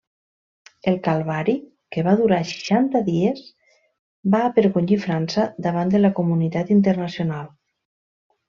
El calvari, que va durar seixanta dies, va avergonyir França davant de la comunitat internacional.